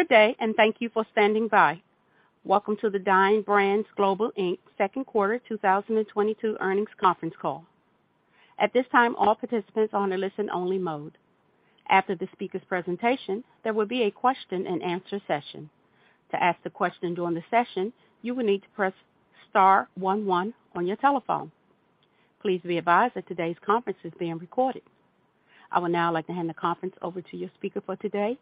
Good day, and thank you for standing by. Welcome to the Dine Brands Global, Inc. second quarter 2022 earnings conference call. At this time, all participants are on a listen only mode. After the speaker's presentation, there will be a question and answer session. To ask the question during the session, you will need to press star one one on your telephone. Please be advised that today's conference is being recorded. I would now like to hand the conference over to your speaker for today,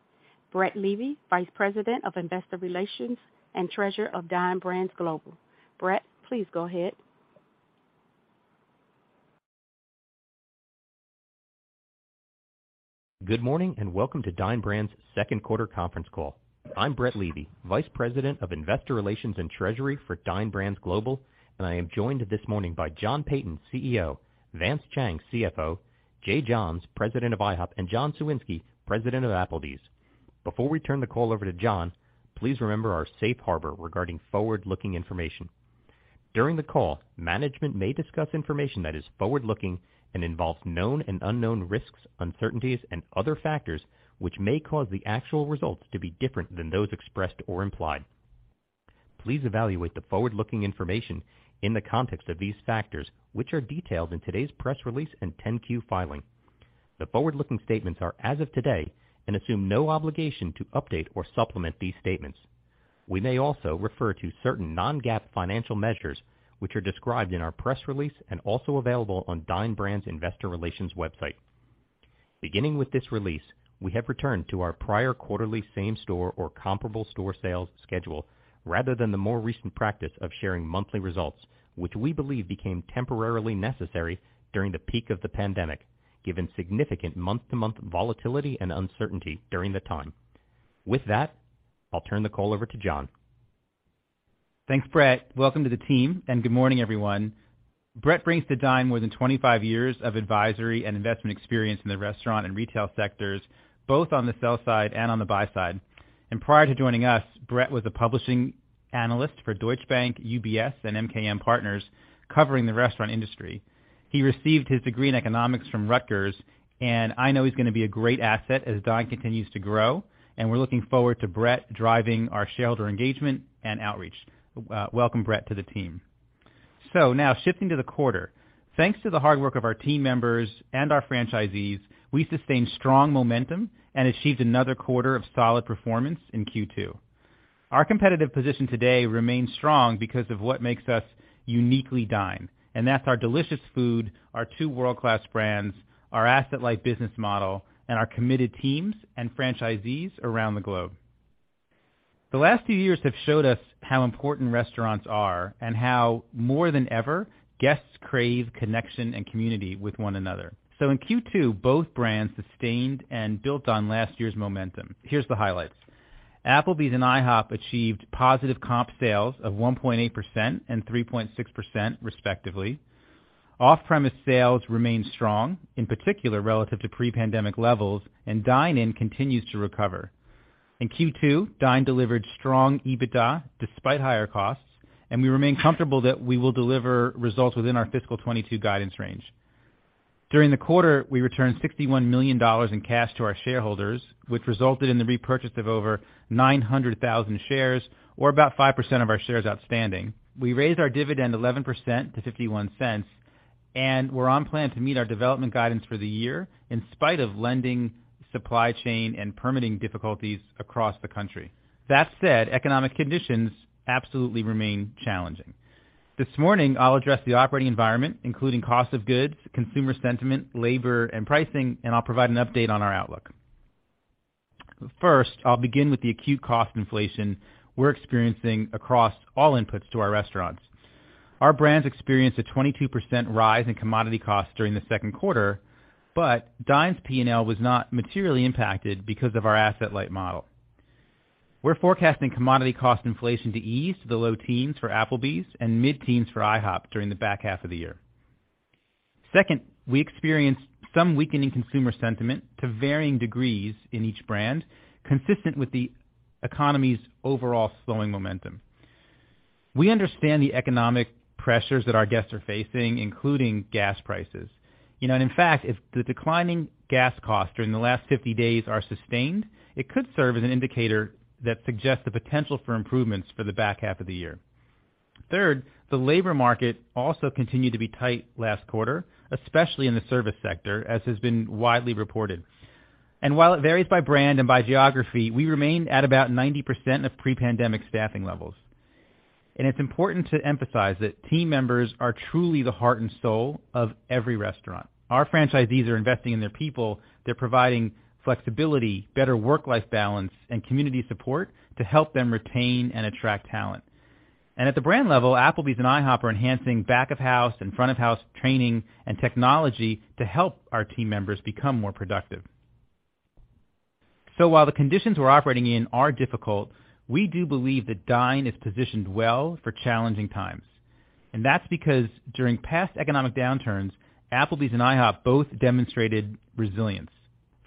Brett Levy, Vice President of Investor Relations and Treasury of Dine Brands Global. Brett, please go ahead. Good morning, and welcome to Dine Brands Global second quarter conference call. I'm Brett Levy, Vice President of Investor Relations and Treasury for Dine Brands Global, and I am joined this morning by John Peyton, CEO, Vance Chang, CFO, Jay Johns, President of IHOP, and John Cywinski, President of Applebee's. Before we turn the call over to John, please remember our safe harbor regarding forward-looking information. During the call, management may discuss information that is forward-looking and involves known and unknown risks, uncertainties, and other factors which may cause the actual results to be different than those expressed or implied. Please evaluate the forward-looking information in the context of these factors, which are detailed in today's press release and 10-Q filing. The forward-looking statements are as of today and assume no obligation to update or supplement these statements. We may also refer to certain non-GAAP financial measures, which are described in our press release and also available on Dine Brands Investor Relations website. Beginning with this release, we have returned to our prior quarterly same store or comparable store sales schedule, rather than the more recent practice of sharing monthly results, which we believe became temporarily necessary during the peak of the pandemic, given significant month-to-month volatility and uncertainty during the time. With that, I'll turn the call over to John. Thanks, Brett. Welcome to the team, and good morning, everyone. Brett brings to Dine more than 25 years of advisory and investment experience in the restaurant and retail sectors, both on the sell side and on the buy side. Prior to joining us, Brett was a sell-side analyst for Deutsche Bank, UBS, and MKM Partners, covering the restaurant industry. He received his degree in economics from Rutgers, and I know he's gonna be a great asset as Dine continues to grow, and we're looking forward to Brett driving our shareholder engagement and outreach. Welcome, Brett, to the team. Now shifting to the quarter. Thanks to the hard work of our team members and our franchisees, we sustained strong momentum and achieved another quarter of solid performance in Q2. Our competitive position today remains strong because of what makes us uniquely Dine, and that's our delicious food, our two world-class brands, our asset-light business model, and our committed teams and franchisees around the globe. The last few years have showed us how important restaurants are and how, more than ever, guests crave connection and community with one another. In Q2, both brands sustained and built on last year's momentum. Here's the highlights. Applebee's and IHOP achieved positive comp sales of 1.8% and 3.6%, respectively. Off-premise sales remain strong, in particular, relative to pre-pandemic levels, and dine-in continues to recover. In Q2, Dine delivered strong EBITDA despite higher costs, and we remain comfortable that we will deliver results within our fiscal 2022 guidance range. During the quarter, we returned $61 million in cash to our shareholders, which resulted in the repurchase of over 900,000 shares or about 5% of our shares outstanding. We raised our dividend 11% to $0.51, and we're on plan to meet our development guidance for the year in spite of lending, supply chain, and permitting difficulties across the country. That said, economic conditions absolutely remain challenging. This morning, I'll address the operating environment, including cost of goods, consumer sentiment, labor, and pricing, and I'll provide an update on our outlook. First, I'll begin with the acute cost inflation we're experiencing across all inputs to our restaurants. Our brands experienced a 22% rise in commodity costs during the second quarter, but Dine's P&L was not materially impacted because of our asset-light model. We're forecasting commodity cost inflation to ease to the low teens for Applebee's and mid-teens for IHOP during the back half of the year. Second, we experienced some weakening consumer sentiment to varying degrees in each brand, consistent with the economy's overall slowing momentum. We understand the economic pressures that our guests are facing, including gas prices. You know, and in fact, if the declining gas costs during the last 50 days are sustained, it could serve as an indicator that suggests the potential for improvements for the back half of the year. Third, the labor market also continued to be tight last quarter, especially in the service sector, as has been widely reported. While it varies by brand and by geography, we remain at about 90% of pre-pandemic staffing levels. It's important to emphasize that team members are truly the heart and soul of every restaurant. Our franchisees are investing in their people. They're providing flexibility, better work-life balance and community support to help them retain and attract talent. At the brand level, Applebee's and IHOP are enhancing back of house and front of house training and technology to help our team members become more productive. While the conditions we're operating in are difficult, we do believe that Dine is positioned well for challenging times. That's because during past economic downturns, Applebee's and IHOP both demonstrated resilience.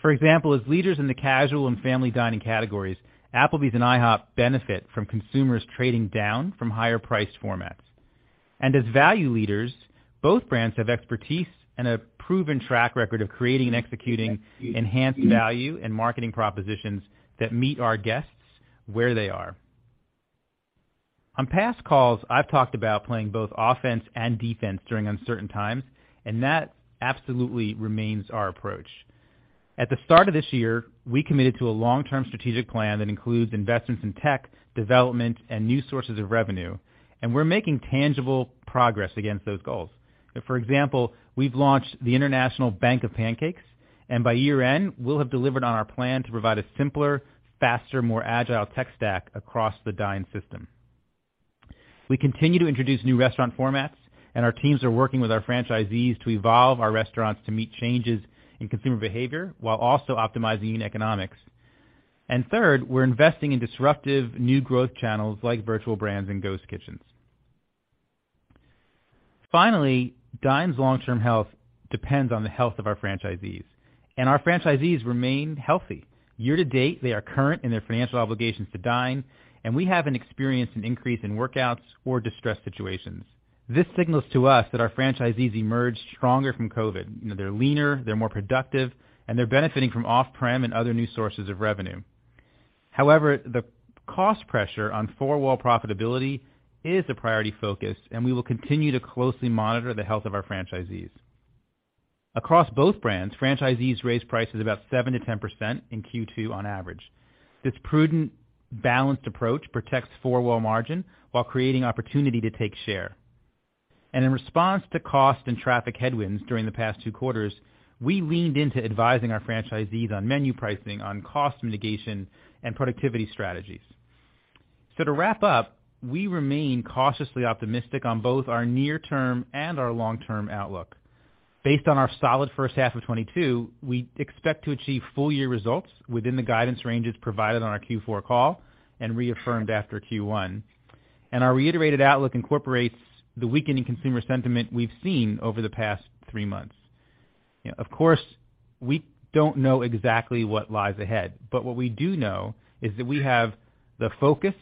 For example, as leaders in the casual and family dining categories, Applebee's and IHOP benefit from consumers trading down from higher priced formats. As value leaders, both brands have expertise and a proven track record of creating and executing enhanced value and marketing propositions that meet our guests where they are. On past calls, I've talked about playing both offense and defense during uncertain times, and that absolutely remains our approach. At the start of this year, we committed to a long-term strategic plan that includes investments in tech, development, and new sources of revenue, and we're making tangible progress against those goals. For example, we've launched the International Bank of Pancakes, and by year-end, we'll have delivered on our plan to provide a simpler, faster, more agile tech stack across the Dine system. We continue to introduce new restaurant formats, and our teams are working with our franchisees to evolve our restaurants to meet changes in consumer behavior while also optimizing economics. Third, we're investing in disruptive new growth channels like virtual brands and ghost kitchens. Finally, Dine's long-term health depends on the health of our franchisees, and our franchisees remain healthy. Year-to-date, they are current in their financial obligations to Dine, and we haven't experienced an increase in workouts or distressed situations. This signals to us that our franchisees emerge stronger from COVID. You know, they're leaner, they're more productive, and they're benefiting from off-prem and other new sources of revenue. However, the cost pressure on four-wall profitability is a priority focus, and we will continue to closely monitor the health of our franchisees. Across both brands, franchisees raised prices about 7%-10% in Q2 on average. This prudent, balanced approach protects four-wall margin while creating opportunity to take share. In response to cost and traffic headwinds during the past two quarters, we leaned into advising our franchisees on menu pricing, on cost mitigation, and productivity strategies. To wrap up, we remain cautiously optimistic on both our near-term and our long-term outlook. Based on our solid first half of 2022, we expect to achieve full-year results within the guidance ranges provided on our Q4 call and reaffirmed after Q1. Our reiterated outlook incorporates the weakening consumer sentiment we've seen over the past three months. Of course, we don't know exactly what lies ahead, but what we do know is that we have the focus,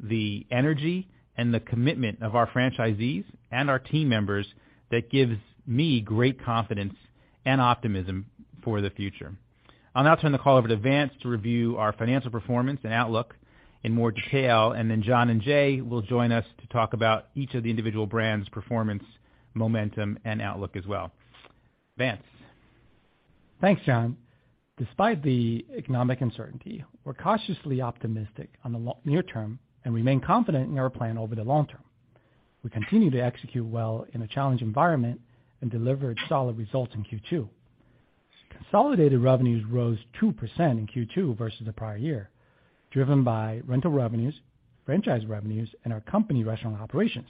the energy, and the commitment of our franchisees and our team members that gives me great confidence and optimism for the future. I'll now turn the call over to Vance to review our financial performance and outlook in more detail, and then John and Jay will join us to talk about each of the individual brands' performance, momentum, and outlook as well. Vance. Thanks, John. Despite the economic uncertainty, we're cautiously optimistic on the near term and remain confident in our plan over the long term. We continue to execute well in a challenged environment and delivered solid results in Q2. Consolidated revenues rose 2% in Q2 versus the prior year, driven by rental revenues, franchise revenues, and our company restaurant operations.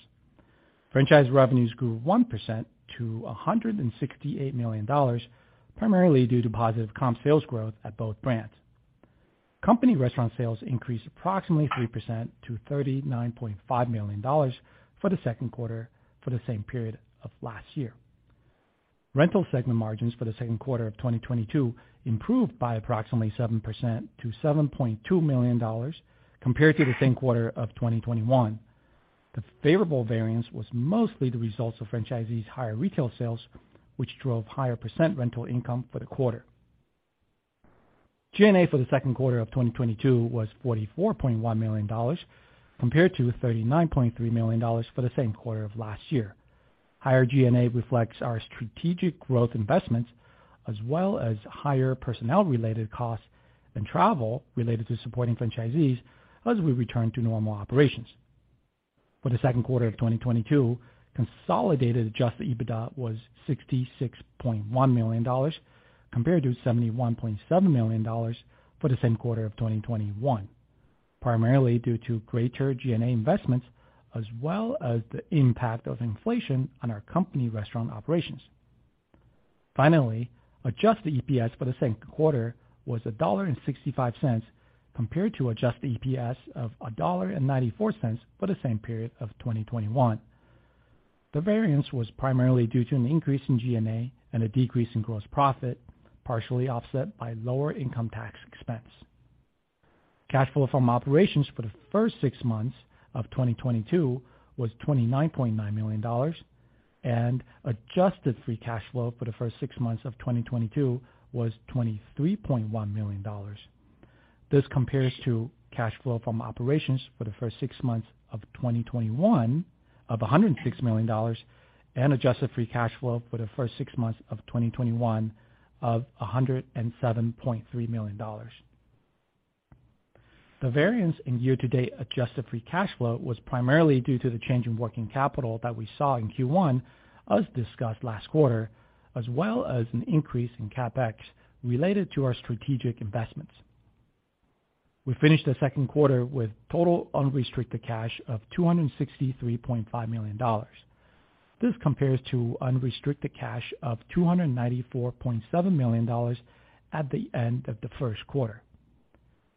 Franchise revenues grew 1% to $168 million, primarily due to positive comp sales growth at both brands. Company restaurant sales increased approximately 3% to $39.5 million for the second quarter for the same period of last year. Rental segment margins for the second quarter of 2022 improved by approximately 7% to $7.2 million compared to the same quarter of 2021. The favorable variance was mostly the results of franchisees' higher retail sales, which drove higher percentage rental income for the quarter. G&A for the second quarter of 2022 was $44.1 million compared to $39.3 million for the same quarter of last year. Higher G&A reflects our strategic growth investments as well as higher personnel-related costs and travel related to supporting franchisees as we return to normal operations. For the second quarter of 2022, consolidated adjusted EBITDA was $66.1 million, compared to $71.7 million for the same quarter of 2021, primarily due to greater G&A investments as well as the impact of inflation on our company restaurant operations. Finally, adjusted EPS for the second quarter was $1.65 compared to adjusted EPS of $1.94 for the same period of 2021. The variance was primarily due to an increase in G&A and a decrease in gross profit, partially offset by lower income tax expense. Cash flow from operations for the first six months of 2022 was $29.9 million, and adjusted free cash flow for the first six months of 2022 was $23.1 million. This compares to cash flow from operations for the first six months of 2021 of $106 million and adjusted free cash flow for the first six months of 2021 of $107.3 million. The variance in year-to-date adjusted free cash flow was primarily due to the change in working capital that we saw in Q1, as discussed last quarter, as well as an increase in CapEx related to our strategic investments. We finished the second quarter with total unrestricted cash of $263.5 million. This compares to unrestricted cash of $294.7 million at the end of the first quarter.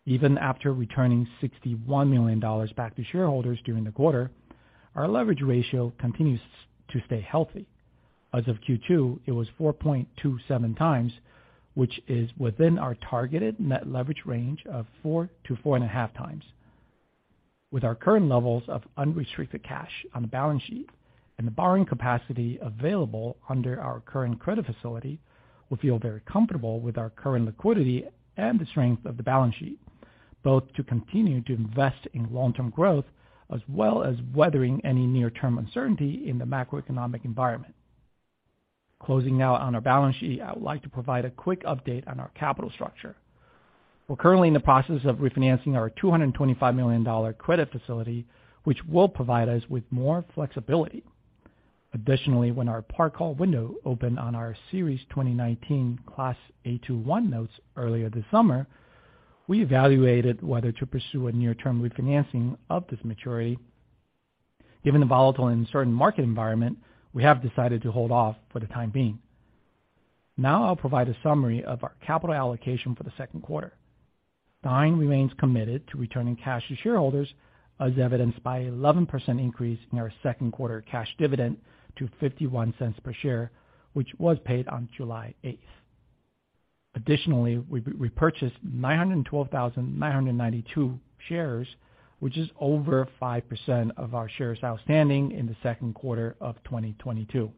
Even after returning $61 million back to shareholders during the quarter, our leverage ratio continues to stay healthy. As of Q2, it was 4.27x, which is within our targeted net leverage range of 4x-4.5x. With our current levels of unrestricted cash on the balance sheet and the borrowing capacity available under our current credit facility, we feel very comfortable with our current liquidity and the strength of the balance sheet, both to continue to invest in long-term growth as well as weathering any near-term uncertainty in the macroeconomic environment. Closing now on our balance sheet, I would like to provide a quick update on our capital structure. We're currently in the process of refinancing our $225 million credit facility, which will provide us with more flexibility. Additionally, when our par call window opened on our Series 2019 Class A-1 Notes earlier this summer, we evaluated whether to pursue a near-term refinancing of this maturity. Given the volatile and uncertain market environment, we have decided to hold off for the time being. Now I'll provide a summary of our capital allocation for the second quarter. Dine remains committed to returning cash to shareholders, as evidenced by 11% increase in our second quarter cash dividend to $0.51 per share, which was paid on July 8th. Additionally, we purchased 912,992 shares, which is over 5% of our shares outstanding in the second quarter of 2022.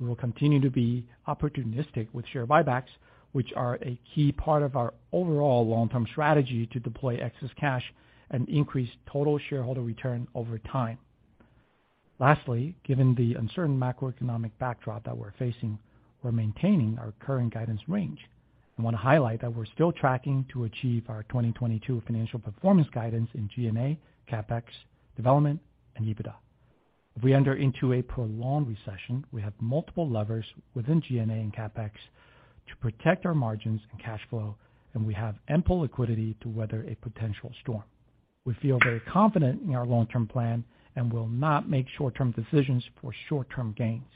We will continue to be opportunistic with share buybacks, which are a key part of our overall long-term strategy to deploy excess cash and increase total shareholder return over time. Lastly, given the uncertain macroeconomic backdrop that we're facing, we're maintaining our current guidance range. I want to highlight that we're still tracking to achieve our 2022 financial performance guidance in G&A, CapEx, development and EBITDA. If we enter into a prolonged recession, we have multiple levers within G&A and CapEx to protect our margins and cash flow, and we have ample liquidity to weather a potential storm. We feel very confident in our long-term plan and will not make short-term decisions for short-term gains.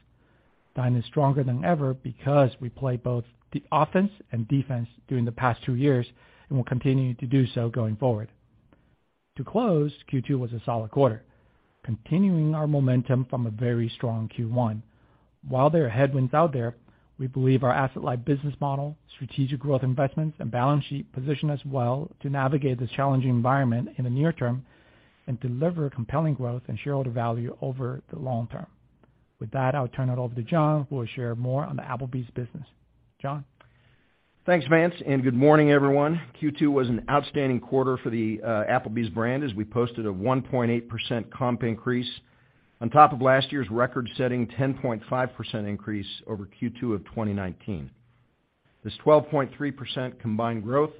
Dine is stronger than ever because we play both the offense and defense during the past two years, and we're continuing to do so going forward. To close, Q2 was a solid quarter, continuing our momentum from a very strong Q1. While there are headwinds out there, we believe our asset-light business model, strategic growth investments and balance sheet position us well to navigate this challenging environment in the near term and deliver compelling growth and shareholder value over the long term. With that, I'll turn it over to John, who will share more on the Applebee's business. John? Thanks, Vance, and good morning, everyone. Q2 was an outstanding quarter for the Applebee's brand, as we posted a 1.8% comp increase on top of last year's record-setting 10.5% increase over Q2 of 2019. This 12.3% combined growth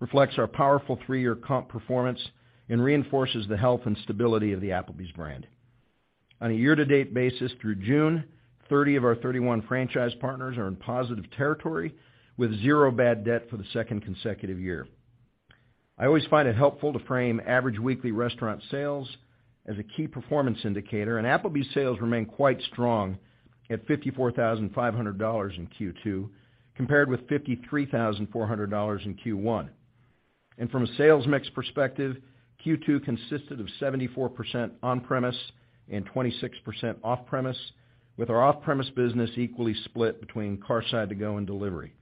reflects our powerful three-year comp performance and reinforces the health and stability of the Applebee's brand. On a year-to-date basis through June 30 of our 31 franchise partners are in positive territory with zero bad debt for the second consecutive year. I always find it helpful to frame average weekly restaurant sales as a key performance indicator, and Applebee's sales remain quite strong at $54,500 in Q2, compared with $53,400 in Q1. From a sales mix perspective, Q2 consisted of 74% on-premise and 26% off-premise, with our off-premise business equally split between curbside to-go and delivery.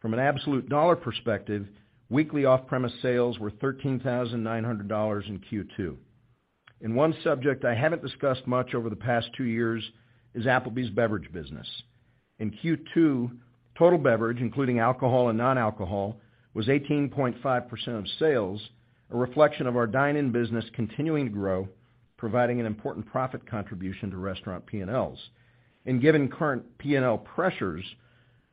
From an absolute dollar perspective, weekly off-premise sales were $13,900 in Q2. One subject I haven't discussed much over the past two years is Applebee's beverage business. In Q2, total beverage, including alcohol and non-alcohol, was 18.5% of sales, a reflection of our dine-in business continuing to grow, providing an important profit contribution to restaurant P&Ls. Given current P&L pressures,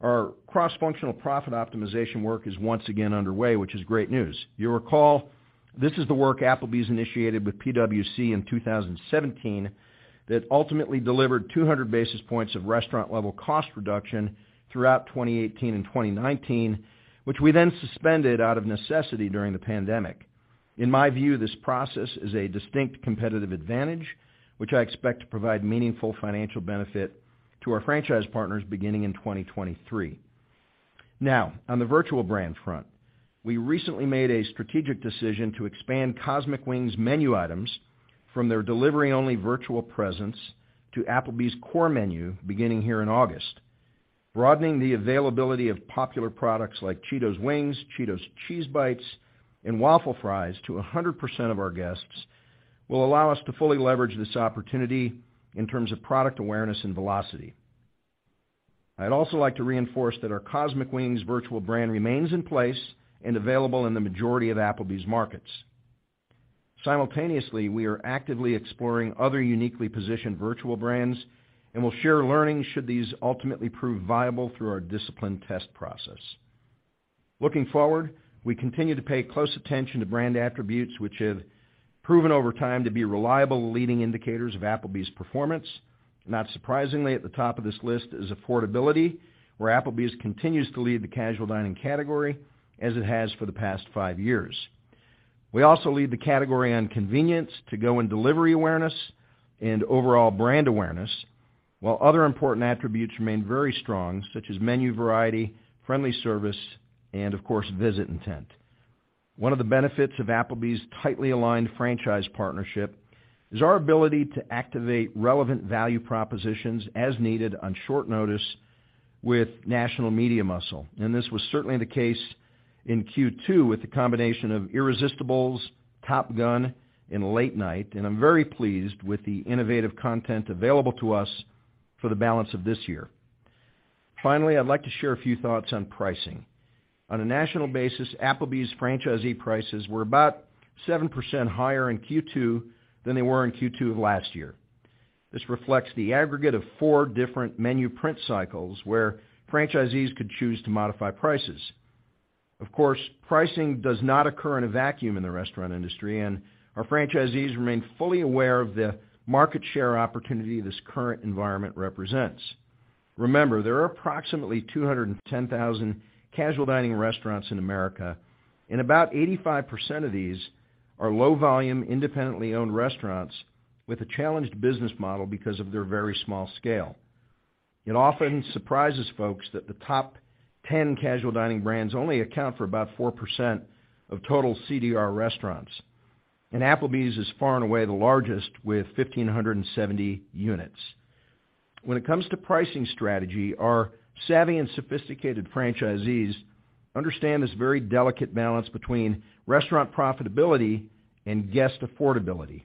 our cross-functional profit optimization work is once again underway, which is great news. You'll recall this is the work Applebee's initiated with PwC in 2017 that ultimately delivered 200 basis points of restaurant-level cost reduction throughout 2018 and 2019, which we then suspended out of necessity during the pandemic. In my view, this process is a distinct competitive advantage, which I expect to provide meaningful financial benefit to our franchise partners beginning in 2023. Now, on the virtual brand front. We recently made a strategic decision to expand Cosmic Wings menu items from their delivery-only virtual presence to Applebee's core menu beginning here in August. Broadening the availability of popular products like Cheetos Wings, Cheetos Cheese Bites, and Waffle Fries to 100% of our guests will allow us to fully leverage this opportunity in terms of product awareness and velocity. I'd also like to reinforce that our Cosmic Wings virtual brand remains in place and available in the majority of Applebee's markets. Simultaneously, we are actively exploring other uniquely positioned virtual brands and will share learnings should these ultimately prove viable through our disciplined test process. Looking forward, we continue to pay close attention to brand attributes which have proven over time to be reliable leading indicators of Applebee's performance. Not surprisingly, at the top of this list is affordability, where Applebee's continues to lead the casual dining category as it has for the past five years. We also lead the category on convenience to go and delivery awareness and overall brand awareness, while other important attributes remain very strong, such as menu variety, friendly service, and of course, visit intent. One of the benefits of Applebee's tightly aligned franchise partnership is our ability to activate relevant value propositions as needed on short notice with national media muscle. This was certainly the case in Q2 with the combination of Irresistibles, Top Gun, and Late Night. I'm very pleased with the innovative content available to us for the balance of this year. Finally, I'd like to share a few thoughts on pricing. On a national basis, Applebee's franchisee prices were about 7% higher in Q2 than they were in Q2 of last year. This reflects the aggregate of four different menu print cycles where franchisees could choose to modify prices. Of course, pricing does not occur in a vacuum in the restaurant industry, and our franchisees remain fully aware of the market share opportunity this current environment represents. Remember, there are approximately 210,000 casual dining restaurants in America, and about 85% of these are low volume, independently owned restaurants with a challenged business model because of their very small scale. It often surprises folks that the top 10 casual dining brands only account for about 4% of total CDR restaurants, and Applebee's is far and away the largest with 1,570 units. When it comes to pricing strategy, our savvy and sophisticated franchisees understand this very delicate balance between restaurant profitability and guest affordability.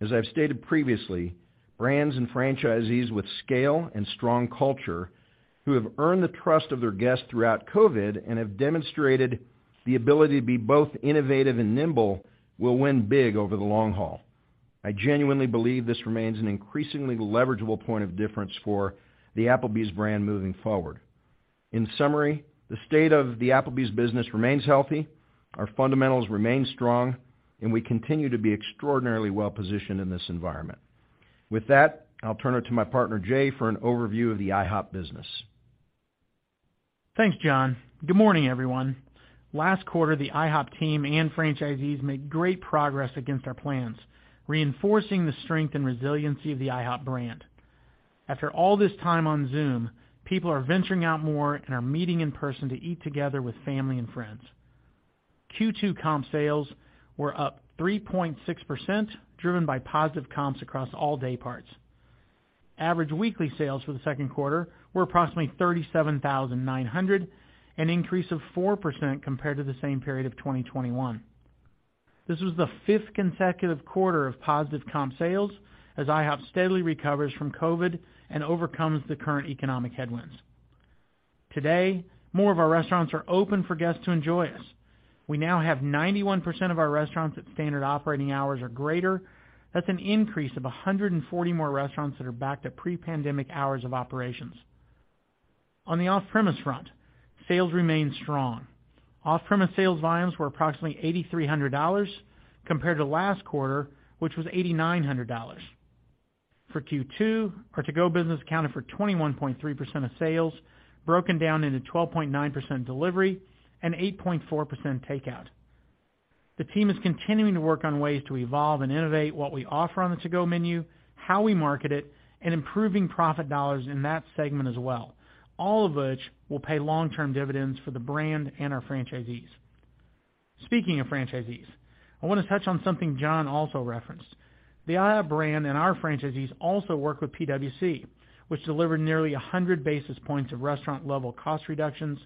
As I've stated previously, brands and franchisees with scale and strong culture who have earned the trust of their guests throughout COVID and have demonstrated the ability to be both innovative and nimble will win big over the long haul. I genuinely believe this remains an increasingly leverageable point of difference for the Applebee's brand moving forward. In summary, the state of the Applebee's business remains healthy, our fundamentals remain strong, and we continue to be extraordinarily well positioned in this environment. With that, I'll turn it to my partner, Jay, for an overview of the IHOP business. Thanks, John. Good morning, everyone. Last quarter, the IHOP team and franchisees made great progress against our plans, reinforcing the strength and resiliency of the IHOP brand. After all this time on Zoom, people are venturing out more and are meeting in person to eat together with family and friends. Q2 comp sales were up 3.6%, driven by positive comps across all day parts. Average weekly sales for the second quarter were approximately $37,900, an increase of 4% compared to the same period of 2021. This was the fifth consecutive quarter of positive comp sales as IHOP steadily recovers from COVID and overcomes the current economic headwinds. Today, more of our restaurants are open for guests to enjoy us. We now have 91% of our restaurants at standard operating hours or greater. That's an increase of 140 more restaurants that are back to pre-pandemic hours of operations. On the off-premise front, sales remain strong. Off-premise sales volumes were approximately $8,300 compared to last quarter, which was $8,900. For Q2, our to-go business accounted for 21.3% of sales, broken down into 12.9% delivery and 8.4% takeout. The team is continuing to work on ways to evolve and innovate what we offer on the to-go menu, how we market it, and improving profit dollars in that segment as well, all of which will pay long-term dividends for the brand and our franchisees. Speaking of franchisees, I want to touch on something John also referenced. The IHOP brand and our franchisees also work with PwC, which delivered nearly 100 basis points of restaurant-level cost reductions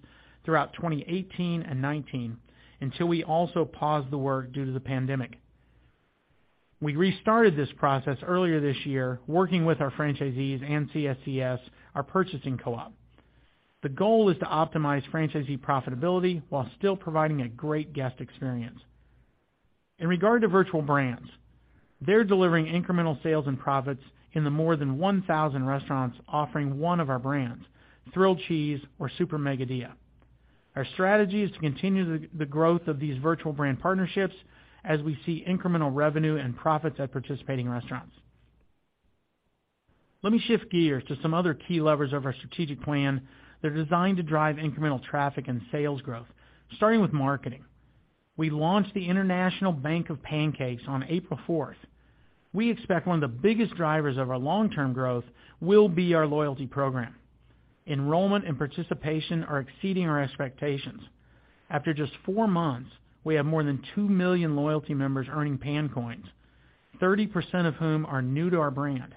throughout 2018 and 2019, until we also paused the work due to the pandemic. We restarted this process earlier this year working with our franchisees and CSCS, our purchasing co-op. The goal is to optimize franchisee profitability while still providing a great guest experience. In regard to virtual brands, they're delivering incremental sales and profits in the more than 1,000 restaurants offering one of our brands, Thrilled Cheese or Super Mega Dilla. Our strategy is to continue the growth of these virtual brand partnerships as we see incremental revenue and profits at participating restaurants. Let me shift gears to some other key levers of our strategic plan that are designed to drive incremental traffic and sales growth, starting with marketing. We launched the International Bank of Pancakes on April 4th. We expect one of the biggest drivers of our long-term growth will be our loyalty program. Enrollment and participation are exceeding our expectations. After just four months, we have more than 2 million loyalty members earning PanCoins, 30% of whom are new to our brand.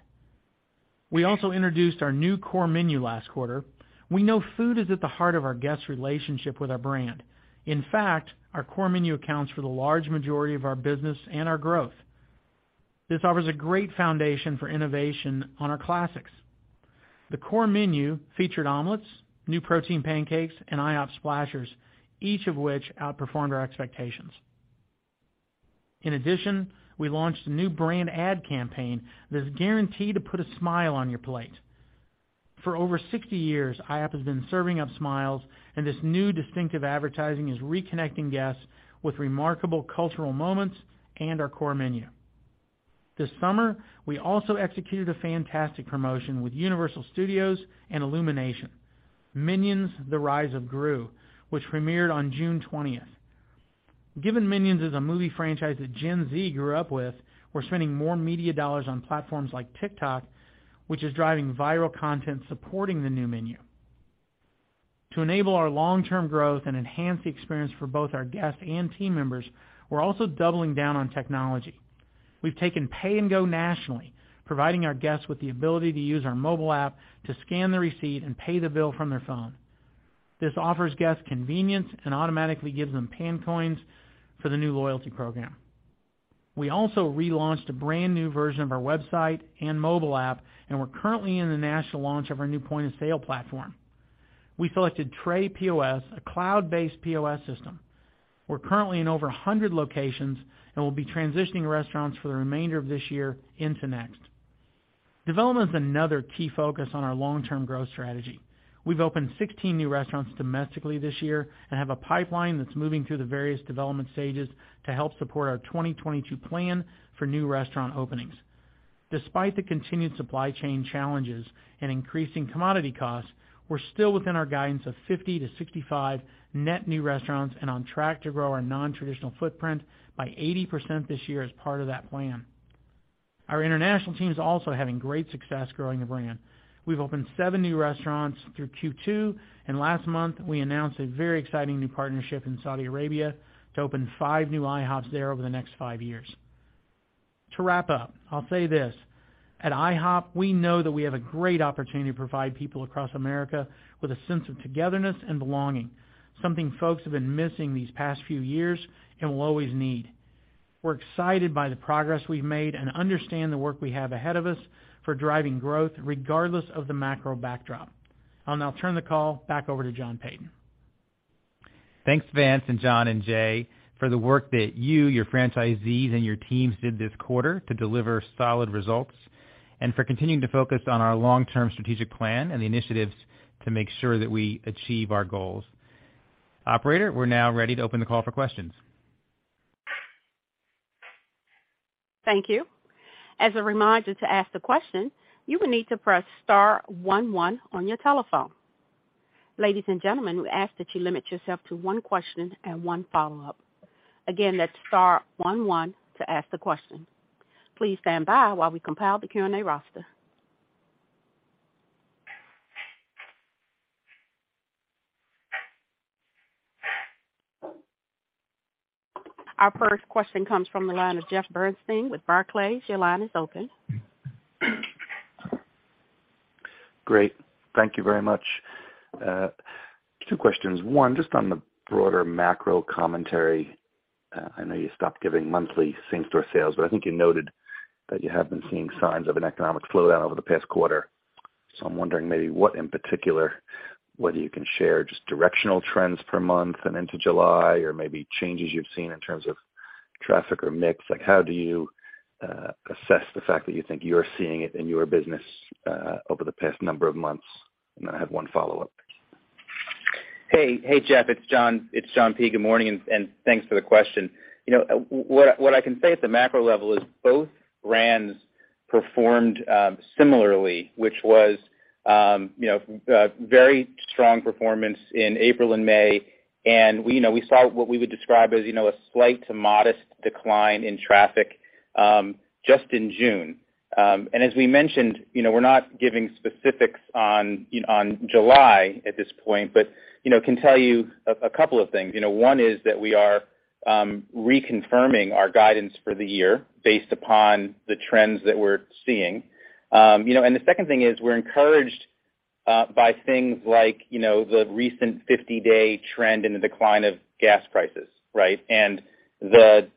We also introduced our new core menu last quarter. We know food is at the heart of our guests' relationship with our brand. In fact, our core menu accounts for the large majority of our business and our growth. This offers a great foundation for innovation on our classics. The core menu featured omelets, new protein pancakes, and IHOP Splashers, each of which outperformed our expectations. In addition, we launched a new brand ad campaign that is guaranteed to put a smile on your plate. For over sixty years, IHOP has been serving up smiles, and this new distinctive advertising is reconnecting guests with remarkable cultural moments and our core menu. This summer, we also executed a fantastic promotion with Universal Studios and Illumination, Minions: The Rise of Gru, which premiered on June 20th. Given Minions is a movie franchise that Gen Z grew up with, we're spending more media dollars on platforms like TikTok, which is driving viral content supporting the new menu. To enable our long-term growth and enhance the experience for both our guests and team members, we're also doubling down on technology. We've taken Pay and Go nationally, providing our guests with the ability to use our mobile app to scan the receipt and pay the bill from their phone. This offers guests convenience and automatically gives them PanCoins for the new loyalty program. We also relaunched a brand-new version of our website and mobile app, and we're currently in the national launch of our new point-of-sale platform. We selected Tray POS, a cloud-based POS system. We're currently in over 100 locations, and we'll be transitioning restaurants for the remainder of this year into next. Development is another key focus on our long-term growth strategy. We've opened 16 new restaurants domestically this year and have a pipeline that's moving through the various development stages to help support our 2022 plan for new restaurant openings. Despite the continued supply chain challenges and increasing commodity costs, we're still within our guidance of 50-65 net new restaurants and on track to grow our nontraditional footprint by 80% this year as part of that plan. Our international team is also having great success growing the brand. We've opened seven new restaurants through Q2, and last month, we announced a very exciting new partnership in Saudi Arabia to open five new IHOPs there over the next five years. To wrap up, I'll say this: at IHOP, we know that we have a great opportunity to provide people across America with a sense of togetherness and belonging, something folks have been missing these past few years and will always need. We're excited by the progress we've made and understand the work we have ahead of us for driving growth regardless of the macro backdrop. I'll now turn the call back over to John Peyton. Thanks, Vance and John and Jay, for the work that you, your franchisees, and your teams did this quarter to deliver solid results and for continuing to focus on our long-term strategic plan and the initiatives to make sure that we achieve our goals. Operator, we're now ready to open the call for questions. Thank you. As a reminder, to ask the question, you will need to press star one one on your telephone. Ladies and gentlemen, we ask that you limit yourself to one question and one follow-up. Again, that's star one one to ask the question. Please stand by while we compile the Q&A roster. Our first question comes from the line of Jeff Bernstein with Barclays. Your line is open. Great. Thank you very much. Two questions. One, just on the broader macro commentary. I know you stopped giving monthly same-store sales, but I think you noted that you have been seeing signs of an economic slowdown over the past quarter. I'm wondering maybe what in particular, whether you can share just directional trends per month and into July or maybe changes you've seen in terms of traffic or mix. Like, how do you assess the fact that you think you're seeing it in your business over the past number of months? And then I have one follow-up. Hey, Jeff, it's John Peyton. Good morning, and thanks for the question. You know, what I can say at the macro level is both brands performed similarly, which was, you know, very strong performance in April and May. You know, we saw what we would describe as, you know, a slight to modest decline in traffic, just in June. As we mentioned, you know, we're not giving specifics on July at this point, but, you know, can tell you a couple of things. You know, one is that we are reconfirming our guidance for the year based upon the trends that we're seeing. You know, and the second thing is we're encouraged by things like, you know, the recent 50-day trend in the decline of gas prices, right? The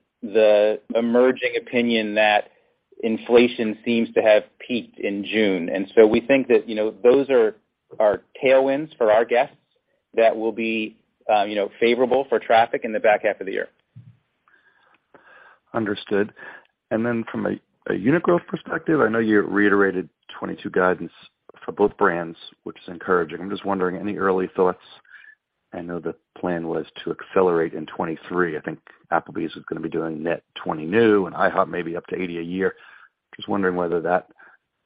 emerging opinion that inflation seems to have peaked in June. We think that, you know, those are tailwinds for our guests that will be, you know, favorable for traffic in the back half of the year. Understood. Then from a unit growth perspective, I know you reiterated 2022 guidance for both brands, which is encouraging. I'm just wondering, any early thoughts? I know the plan was to accelerate in 2023. I think Applebee's is gonna be doing net 20 new, and IHOP maybe up to 80 a year. Just wondering whether that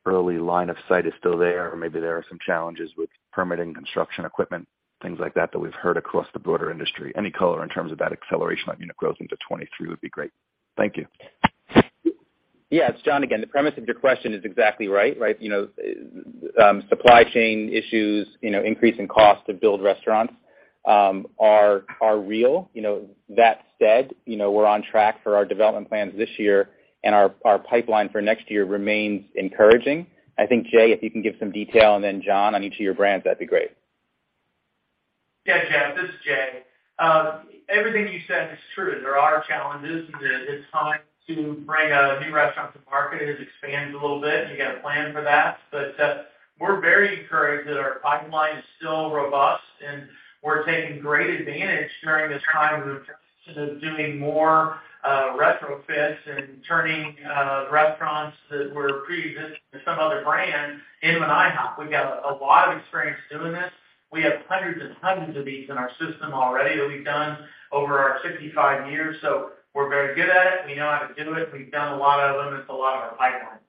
early line of sight is still there or maybe there are some challenges with permitting, construction equipment, things like that we've heard across the broader industry. Any color in terms of that acceleration on unit growth into 2023 would be great. Thank you. Yeah. It's John again. The premise of your question is exactly right. Right? You know, supply chain issues, you know, increase in cost to build restaurants are real. You know, that said, you know, we're on track for our development plans this year, and our pipeline for next year remains encouraging. I think, Jay, if you can give some detail, and then John, on each of your brands, that'd be great. Yeah. Jeff, this is Jay. Everything you said is true. There are challenges, it's time to bring a new restaurant to market. It has expanded a little bit. You got to plan for that. We're very encouraged that our pipeline is still robust, and we're taking great advantage during this time of doing more retrofits and turning restaurants that were pre-existing to some other brand into an IHOP. We've got a lot of experience doing this. We have hundreds and hundreds of these in our system already that we've done over our 65 years, so we're very good at it. We know how to do it. We've done a lot of them. It's a lot of our pipeline.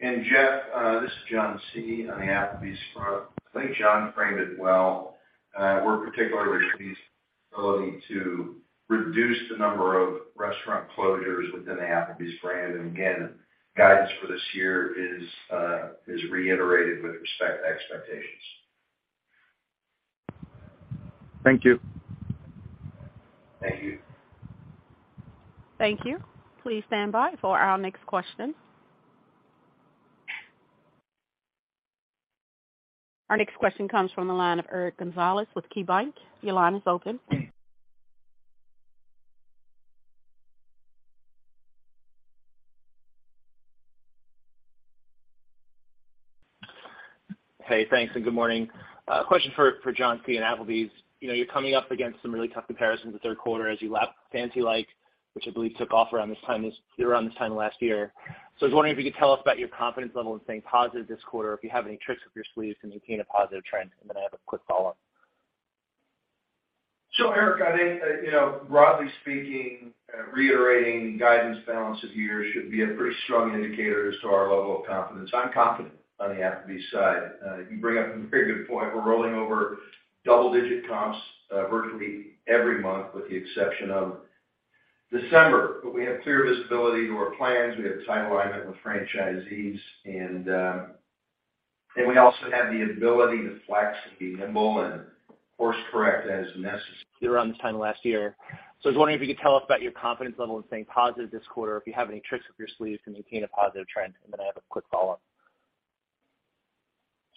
Jeff, this is John C. on the Applebee's front. I think John framed it well. We're particularly pleased to reduce the number of restaurant closures within the Applebee's brand. Guidance for this year is reiterated with respect to expectations. Thank you. Thank you. Thank you. Please stand by for our next question. Our next question comes from the line of Eric Gonzalez with KeyBanc. Your line is open. Hey thanks and good morning. Question for John Cywinski on Applebee's. You know, you're coming up against some really tough comparisons the third quarter as you lap Fancy Like, which I believe took off around this time last year. I was wondering if you could tell us about your confidence level in staying positive this quarter, if you have any tricks up your sleeve to maintain a positive trend, and then I have a quick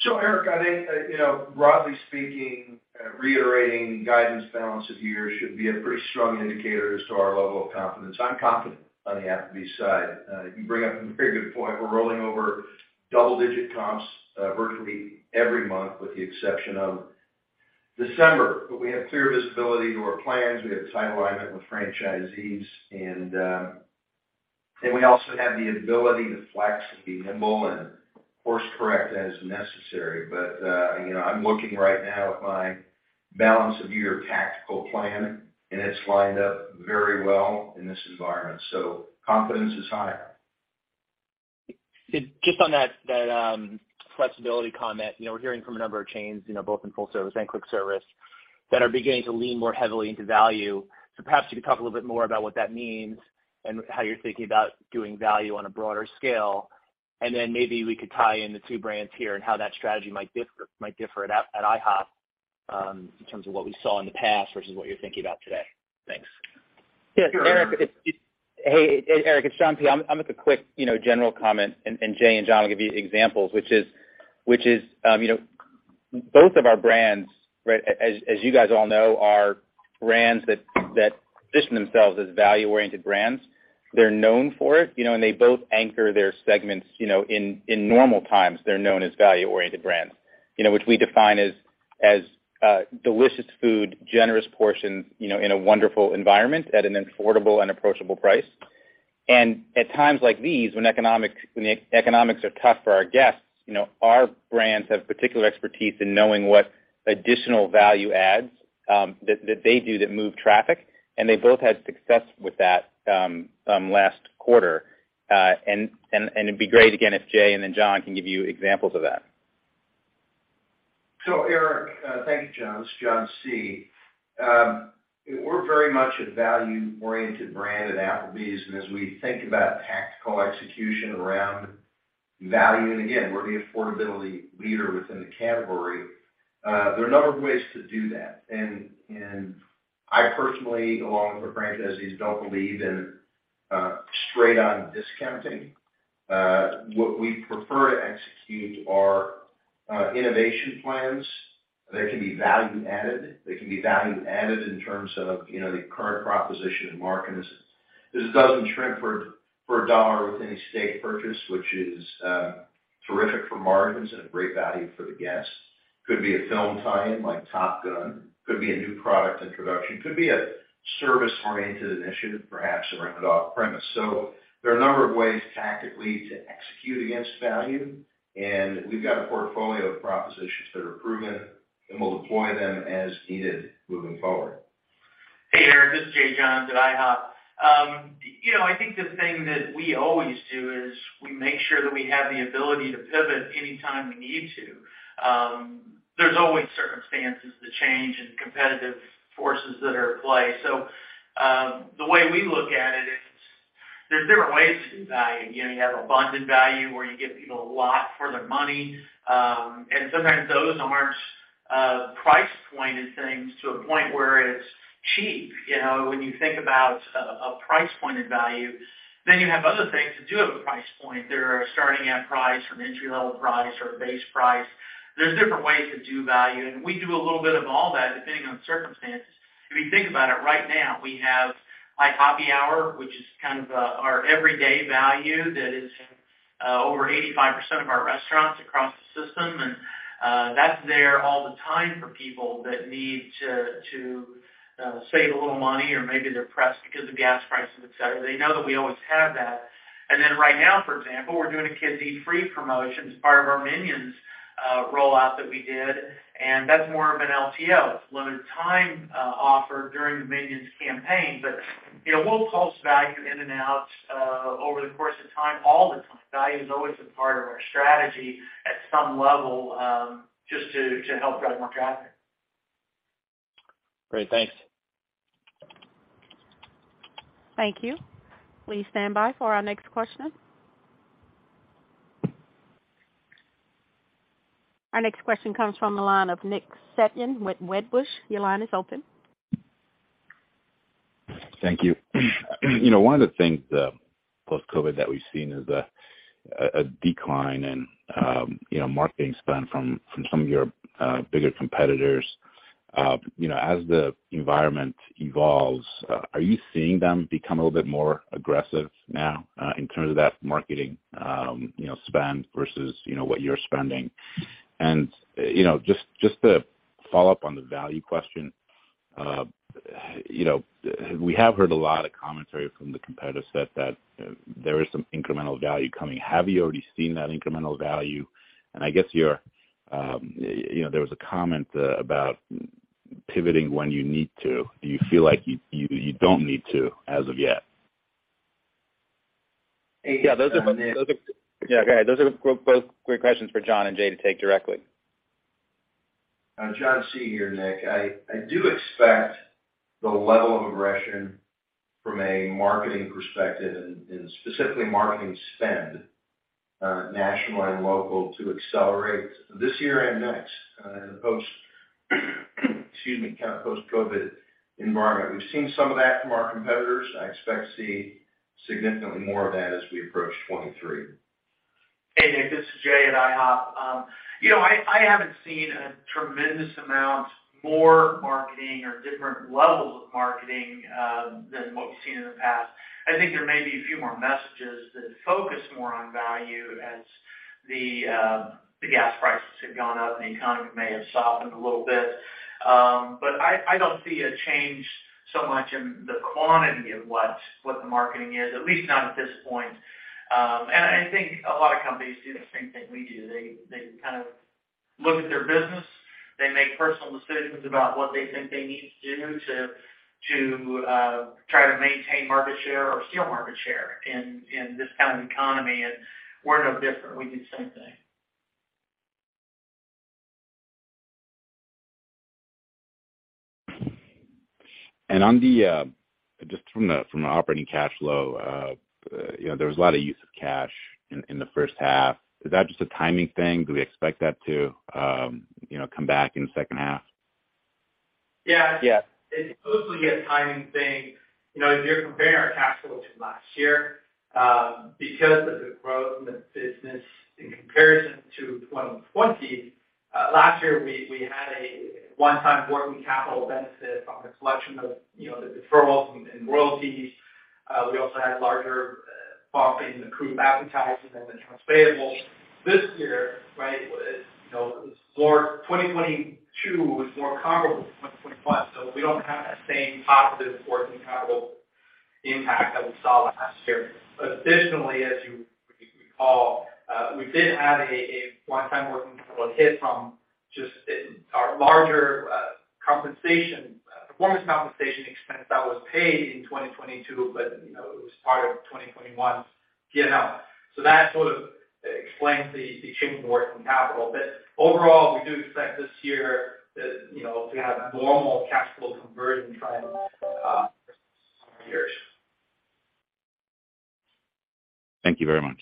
follow-up. Eric Gonzalez, I think, you know, broadly speaking, reiterating guidance balance of year should be a pretty strong indicator as to our level of confidence. I'm confident on the Applebee's side. You bring up a very good point. We're rolling over double digit comps, virtually every month with the exception of December. We have clear visibility to our plans. We have alignment with franchisees and we also have the ability to flex and be nimble thinking about doing value on a broader scale. Then maybe we could tie in the two brands here and how that strategy might differ at IHOP in terms of what we saw in the past versus what you're thinking about today. Thanks. Hey Eric it's John P. I'll make a quick, you know, general comment, and Jay and John will give you examples, which is you know both of our brands, right, as you guys all know, are brands that position themselves as value-oriented brands. They're known for it, you know, and they both anchor their segments, you know, in normal times, they're known as value-oriented brands. You know which we define as delicious food, generous portions, you know, in a wonderful environment at an affordable and approachable price. At times like these, when the economics are tough for our guests, you know, our brands have particular expertise in knowing what additional value adds that they do that move traffic. They both had success with that last quarter. It'd be great, again, if Jay and then John can give you examples of that. Eric thank you John. It's John C. We're very much a value-oriented brand at Applebee's, and as we think about tactical execution around value, and again, we're the affordability leader within the category, there are a number of ways to do that. I personally, along with our franchisees, don't believe in straight on discounting. What we prefer to execute are innovation plans that can be value added. They can be value added in terms of, you know, the current proposition of margins. This is dozen shrimp for $1 with any steak purchase, which is terrific for margins and a great value for the guests. Could be a film tie-in like Top Gun, could be a new product introduction, could be a service-oriented initiative, perhaps around off-premise. There are a number of ways tactically to execute against value, and we've got a portfolio of propositions that are proven, and we'll deploy them as needed moving forward. Hey, Eric, this is Jay Johns at IHOP. You know, I think the thing that we always do is we make sure that we have the ability to pivot anytime we need to. There's always circumstances that change and competitive forces that are at play. The way we look at it is there's different ways to do value. You know, you have abundant value where you give people a lot for their money, and sometimes those aren't price pointed things to a point where it's cheap. You know, when you think about a price pointed value, then you have other things that do have a price point. They're starting at price from entry level price or base price. There's different ways to do value, and we do a little bit of all that depending on circumstances. If you think about it, right now, we have IHOPPY Hour, which is kind of our everyday value that is over 85% of our restaurants across the system. That's there all the time for people that need to save a little money or maybe they're pressed because of gas prices, et cetera. They know that we always have that. Right now, for example, we're doing a Kids Eat Free promotion as part of our Minions rollout that we did, and that's more of an LTO, limited time offer during the Minions campaign. You know, we'll pulse value in and out over the course of time, all the time. Value is always a part of our strategy at some level, just to help drive more traffic. Great thanks. Thank you. Please stand by for our next question. Our next question comes from the line of Nick Setyan with Wedbush. Your line is open. Thank you. You know, one of the things post-COVID that we've seen is a decline in you know marketing spend from some of your bigger competitors. You know, as the environment evolves, are you seeing them become a little bit more aggressive now in terms of that marketing you know spend versus you know what you're spending? You know, just to follow up on the value question. You know, we have heard a lot of commentary from the competitor set that there is some incremental value coming. Have you already seen that incremental value? I guess you're you know there was a comment about pivoting when you need to. Do you feel like you don't need to as of yet? Yeah, go ahead. Those are both great questions for John and Jay to take directly. John Cywinski here, Nick. I do expect the level of aggression from a marketing perspective and specifically marketing spend, national and local to accelerate this year and next, in the kind of post-COVID environment. We've seen some of that from our competitors. I expect to see significantly more of that as we approach 2023. Hey Nick this is Jay Johns at IHOP. You know, I haven't seen a tremendous amount more marketing or different levels of marketing than what we've seen in the past. I think there may be a few more messages that focus more on value as the gas prices have gone up and the economy may have softened a little bit. But I don't see a change so much in the quantity of what the marketing is, at least not at this point. And I think a lot of companies do the same thing we do. They kind of look at their business. They make personal decisions about what they think they need to do to try to maintain market share or steal market share in this kind of economy. We're no different. We do the same thing. Just from the operating cash flow, you know, there was a lot of use of cash in the first half. Is that just a timing thing? Do we expect that to, you know, come back in the second half? Yeah. Yeah. It's mostly a timing thing. You know, if you're comparing our cash flow to last year, because of the growth in the business in comparison to 2020, last year, we had a one-time working capital benefit from the collection of, you know, the deferrals and royalties. We also had larger bump in accrued advertising and accounts payable. This year, right, you know, 2022 was more comparable to 2021, so we don't have that same positive working capital impact that we saw last year. Additionally, as you recall, we did have a one-time working capital hit from just our larger performance compensation expense that was paid in 2022, but, you know, it was part of 2021's P&L. That sort of explains the change in working capital. Overall we do expect this year that, you know, to have a normal cash flow conversion time, years. Thank you very much.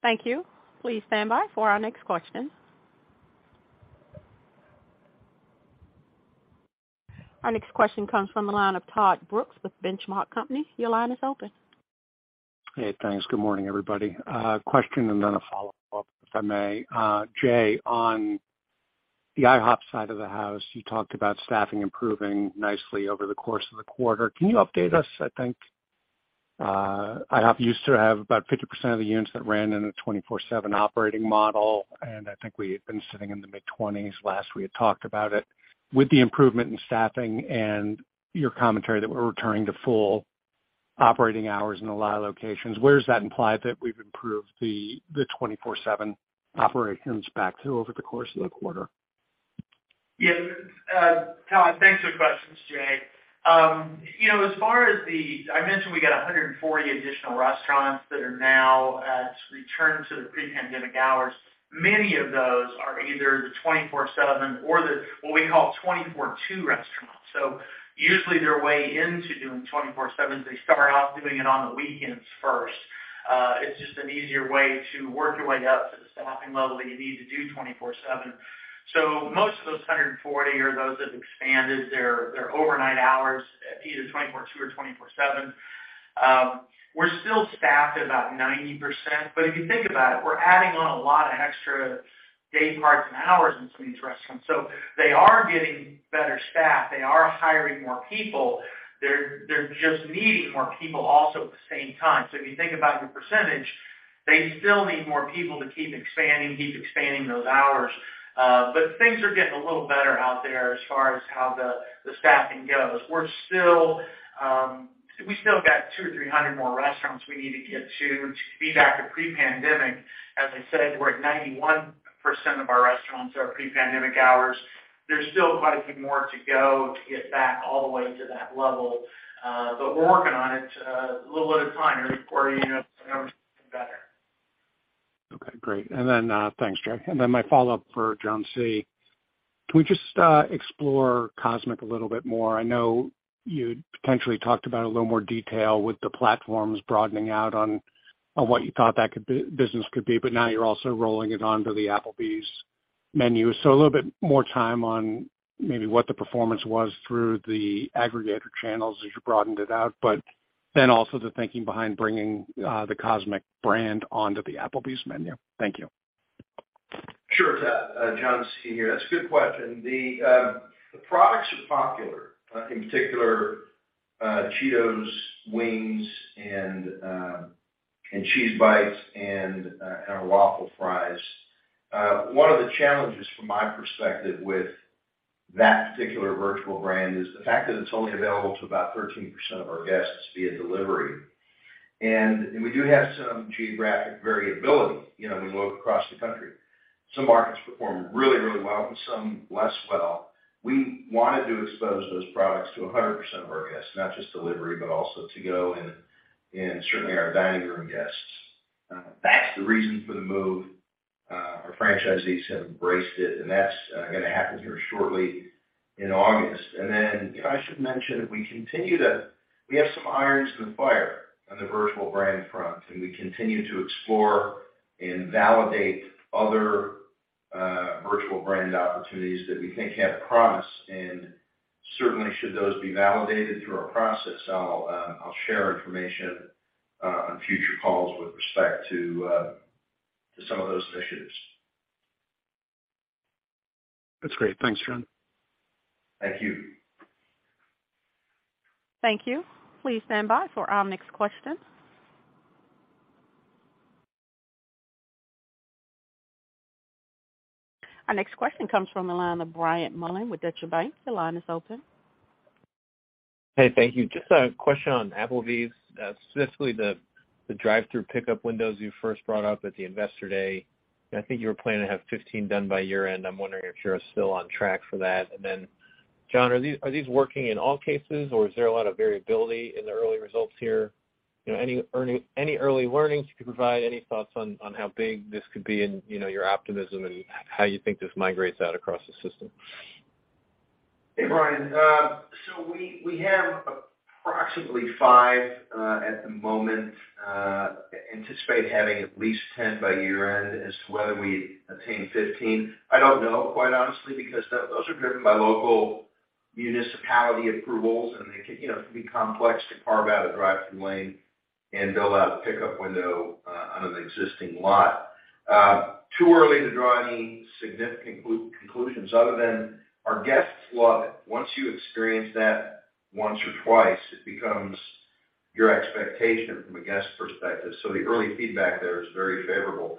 Thank you. Please stand by for our next question. Our next question comes from the line of Todd Brooks with The Benchmark Company. Your line is open. Hey thanks Good morning everybody. Question and then a follow-up, if I may. Jay, on the IHOP side of the house, you talked about staffing improving nicely over the course of the quarter. Can you update us? I think, IHOP used to have about 50% of the units that ran in a 24/7 operating model, and I think we had been sitting in the mid-20s last we had talked about it. With the improvement in staffing and your commentary that we're returning to full operating hours in a lot of locations, where does that imply that we've improved the 24/7 operations back to over the course of the quarter? Yes Todd thanks for the questions. Jay. You know, as far as I mentioned we got 140 additional restaurants that are now at return to the pre-pandemic hours. Many of those are either the 24/7 or the what we call 24/2 restaurants. Usually, their way into doing 24/7 is they start off doing it on the weekends first. It's just an easier way to work your way up to the staffing level that you need to do 24/7. Most of those 140 are those that expanded their overnight hours at either 24/2 or 24/7. We're still staffed at about 90%, but if you think about it, we're adding on a lot of extra day parts and hours in some of these restaurants. They are getting better staffed. They are hiring more people. They're just needing more people also at the same time. So if you think about your percentage, they still need more people to keep expanding those hours. But things are getting a little better out there as far as how the staffing goes. We still got 200-300 more restaurants we need to get to be back to pre-pandemic. As I said, we're at 91% of our restaurants are pre-pandemic hours. There's still quite a few more to go to get back all the way to that level, but we're working on it, a little at a time every quarter, you know. Great. Then thanks Jay. Then my follow-up for John Cywinski. Can we just explore Cosmic a little bit more? I know you potentially talked about a little more detail with the platforms broadening out on what you thought that business could be, but now you're also rolling it onto the Applebee's menu. A little bit more time on maybe what the performance was through the aggregator channels as you broadened it out, but then also the thinking behind bringing the Cosmic brand onto the Applebee's menu. Thank you. Sure Todd. John Cywinski here. That's a good question. The products are popular, in particular, Cheetos Wings and Cheetos Cheese Bites and our Waffle Fries. One of the challenges from my perspective with that particular virtual brand is the fact that it's only available to about 13% of our guests via delivery. We do have some geographic variability, you know, when we look across the country. Some markets perform really well and some less well. We wanted to expose those products to 100% of our guests, not just delivery, but also to go and certainly our dining room guests. That's the reason for the move. Our franchisees have embraced it, and that's gonna happen here shortly in August. I should mention that we have some irons in the fire on the virtual brand front, and we continue to explore and validate other virtual brand opportunities that we think have promise. Certainly should those be validated through our process, I'll share information on future calls with respect to some of those initiatives. That's great thanks John. Thank you. Thank you. Please stand by for our next question. Our next question comes from the line of Brian Mullan with Deutsche Bank. Your line is open. Hey, thank you. Just a question on Applebee's, specifically the drive-thru pickup windows you first brought up at the Investor Day. I think you were planning to have 15 done by year-end. I'm wondering if you're still on track for that. John, are these working in all cases or is there a lot of variability in the early results here? You know, any early learnings you could provide, any thoughts on how big this could be and, you know, your optimism and how you think this migrates out across the system? Hey, Brian. We have approximately five at the moment anticipate having at least 10 by year-end. As to whether we attain 15, I don't know, quite honestly, because those are driven by local municipality approvals, and they can, you know, be complex to carve out a drive-thru lane and build out a pickup window on an existing lot. Too early to draw any significant conclusions other than our guests love it. Once you experience that once or twice, it becomes your expectation from a guest perspective. The early feedback there is very favorable.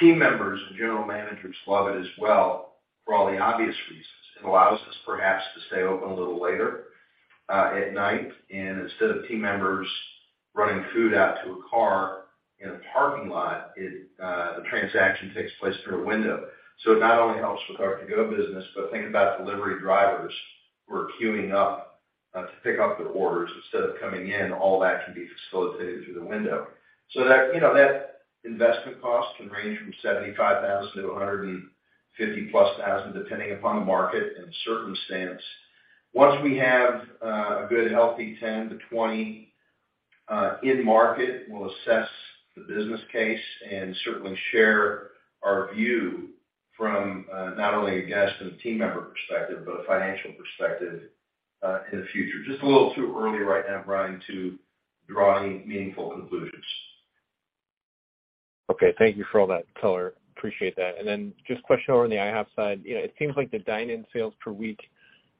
Team members and general managers love it as well for all the obvious reasons. It allows us perhaps to stay open a little later at night. Instead of team members running food out to a car in a parking lot, the transaction takes place through a window. It not only helps with our to-go business, but think about delivery drivers who are queuing up to pick up their orders instead of coming in, all that can be facilitated through the window. That, you know, that investment cost can range from $75,000-$150,000+, depending upon the market and circumstance. Once we have a good healthy 10-20 in market, we'll assess the business case and certainly share our view from not only a guest and a team member perspective, but a financial perspective in the future. Just a little too early right now, Brian, to draw any meaningful conclusions. Okay. Thank you for all that color. Appreciate that. Just a question on the IHOP side. You know, it seems like the dine-in sales per week,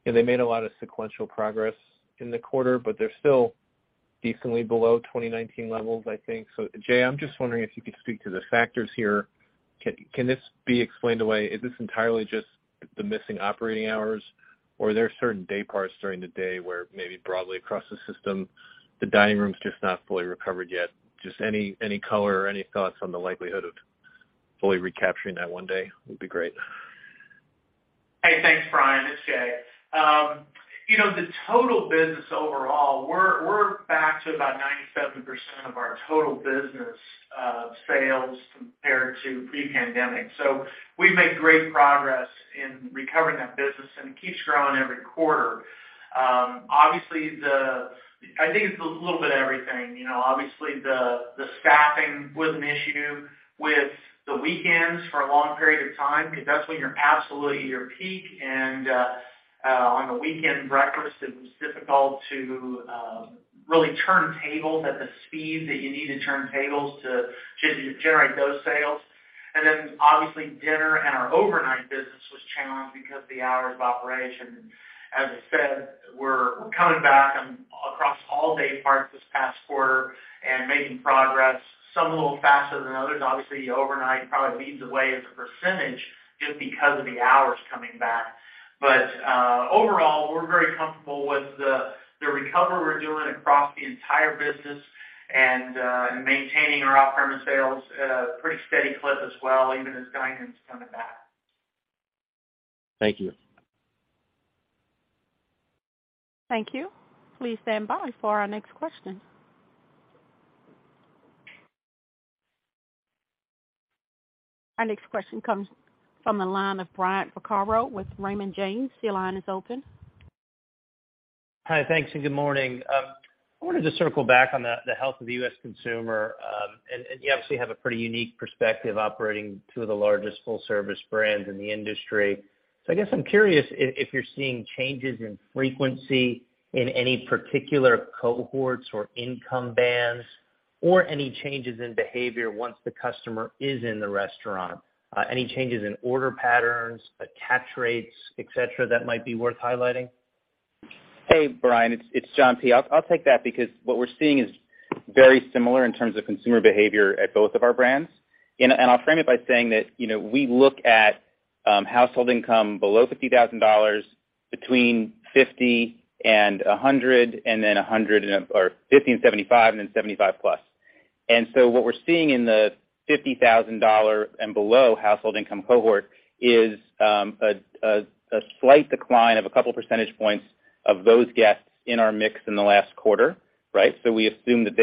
you know, they made a lot of sequential progress in the quarter, but they're still decently below 2019 levels, I think. Jay, I'm just wondering if you could speak to the factors here. Can this be explained away? Is this entirely just the missing operating hours or are there certain day parts during the day where maybe broadly across the system, the dining room's just not fully recovered yet? Just any color or any thoughts on the likelihood of fully recapturing that 2019 day would be great. Hey thanks Brian It's Jay. You know, the total business overall, we're back to about 97% of our total business sales compared to pre-pandemic. We've made great progress in recovering that business and it keeps growing every quarter. Obviously, I think it's a little bit of everything. Obviously the staffing was an issue with the weekends for a long period of time because that's when you're absolutely at your peak. On the weekend breakfast, it was difficult to really turn tables at the speed that you need to turn tables to generate those sales. Then obviously dinner and our overnight business was challenged because of the hours of operation. As I said, we're coming back across all day parts this past quarter and making progress, some a little faster than others. Obviously, overnight probably leads the way as a percentage just because of the hours coming back. Overall, we're very comfortable with the recovery we're doing across the entire business and maintaining our off-premise sales at a pretty steady clip as well, even as dine-in is coming back. Thank you. Thank you. Please stand by for our next question. Our next question comes from the line of Brian Vaccaro with Raymond James. Your line is open. Hi thanks and good morning. I wanted to circle back on the health of the U.S. consumer. You actually have a pretty unique perspective operating two of the largest full service brands in the industry. I guess I'm curious if you're seeing changes in frequency in any particular cohorts or income bands or any changes in behavior once the customer is in the restaurant. Any changes in order patterns, catch rates, et cetera, that might be worth highlighting? Hey Brian it's John P. I'll take that because what we're seeing is very similar in terms of consumer behavior at both of our brands. I'll frame it by saying that, you know, we look at household income below $50,000 between 50 and 100, or 50 and 75 and then 75 plus. What we're seeing in the $50,000 and below household income cohort is a slight decline of a couple percentage points of those guests in our mix in the last quarter, right? We assume that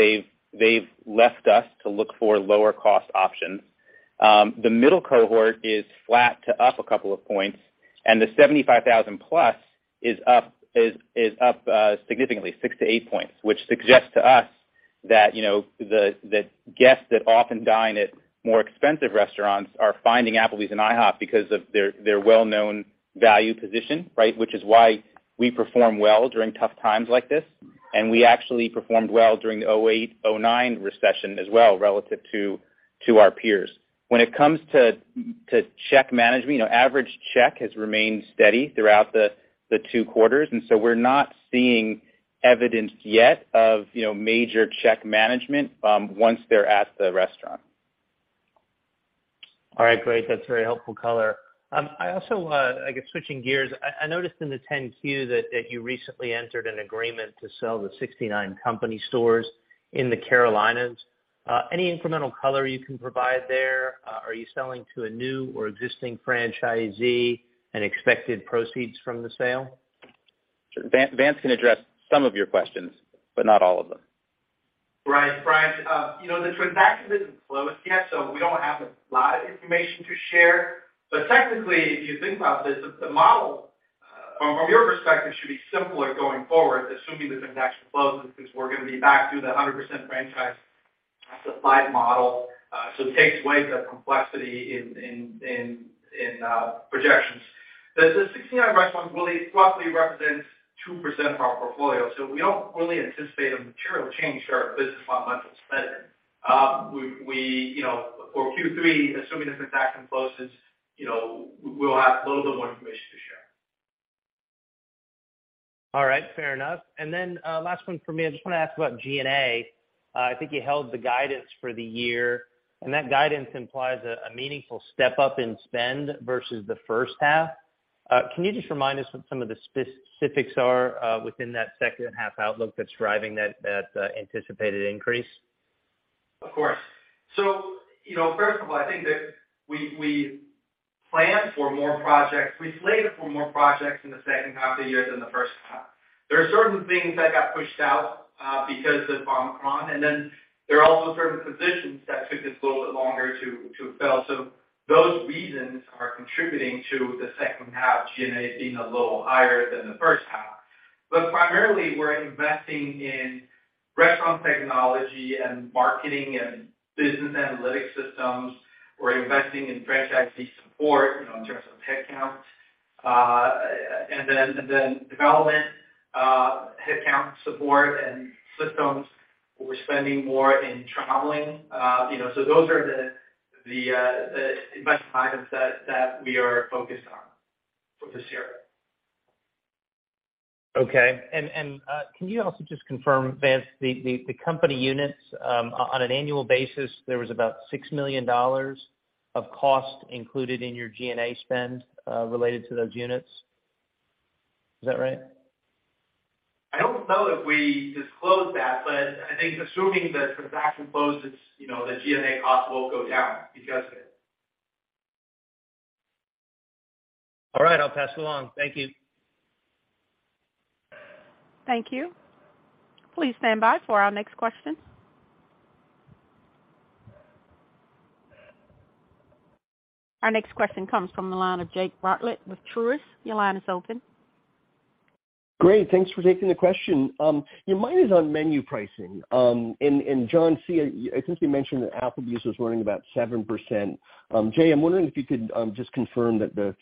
they've left us to look for lower cost options. The middle cohort is flat to up a couple of points, and the 75,000 plus is up significantly 6-8 points, which suggests to us that, you know, the guests that often dine at more expensive restaurants are finding Applebee's and IHOP because of their well-known value position, right? Which is why we perform well during tough times like this. We actually performed well during the 2008, 2009 recession as well, relative to our peers. When it comes to check management, you know, average check has remained steady throughout the two quarters, and so we're not seeing evidence yet of, you know, major check management once they're at the restaurant. All right, great. That's very helpful color. I also, I guess switching gears, I noticed in the 10-Q that you recently entered an agreement to sell the 69 company stores in the Carolinas. Any incremental color you can provide there? Are you selling to a new or existing franchisee and expected proceeds from the sale? Sure. Vance can address some of your questions, but not all of them. Right. Brian, you know, the transaction isn't closed yet, so we don't have a lot of information to share. Technically, if you think about this, the model from your perspective should be simpler going forward, assuming the transaction closes, because we're gonna be back to the 100% franchise supply model. It takes away the complexity in projections. The 69 restaurants really roughly represents 2% of our portfolio, so we don't really anticipate a material change to our business on monthly spend. You know, for Q3, assuming the transaction closes, you know, we'll have a little bit more information to share. All right, fair enough. Last one for me. I just wanna ask about G&A. I think you held the guidance for the year, and that guidance implies a meaningful step up in spend versus the first half. Can you just remind us what some of the specifics are within that second half outlook that's driving that anticipated increase? Of course. You know, first of all, I think that we planned for more projects. We slated for more projects in the second half of the year than the first half. There are certain things that got pushed out because of Omicron, and then there are also certain positions that took us a little bit longer to fill. Those reasons are contributing to the second half G&A being a little higher than the first half. Primarily, we're investing in restaurant technology and marketing and business analytics systems. We're investing in franchisee support, you know, in terms of headcount, and then development headcount support and systems. We're spending more in traveling. You know, those are the investment items that we are focused on for this year. Okay. Can you also just confirm, Vance, the company units, on an annual basis, there was about $6 million of cost included in your G&A spend, related to those units. Is that right? I don't know if we disclosed that, but I think assuming the transaction closes, you know, the G&A costs will go down because of it. All right. I'll pass along. Thank you. Thank you. Please stand by for our next question. Our next question comes from the line of Jake Bartlett with Truist. Your line is open. Great thanks for taking the question. Yeah, mine is on menu pricing. And John Cywinski, I think you mentioned that Applebee's was running about 7%. Jay, I'm wondering if you could just confirm that the